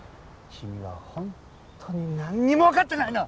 君はほんとに何にもわかってないな！